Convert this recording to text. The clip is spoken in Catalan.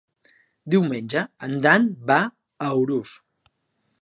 Diumenge en Dan va a Urús.